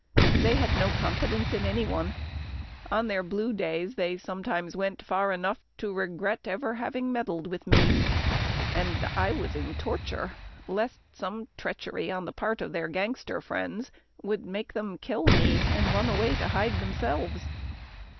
They had no confidence in any one. On their blue days, they sometimes went far enough to regret ever having meddled with me, and I was in torture lest some treachery on the part of their gangster friends would make them kill me, and run away to hide themselves.